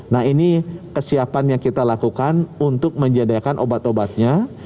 nah ini kesiapan yang kita lakukan untuk menyediakan obat obatnya